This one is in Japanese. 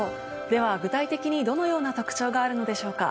では具体的にどのような特徴があるのでしょうか？